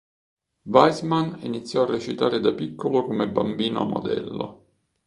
Weisman iniziò a recitare da piccolo come bambino modello.